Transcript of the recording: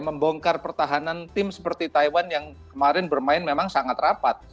membongkar pertahanan tim seperti taiwan yang kemarin bermain memang sangat rapat